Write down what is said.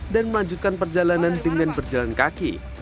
dan melanjutkan perjalanan dengan berjalan kaki